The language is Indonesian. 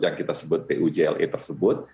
yang kita sebut pujle tersebut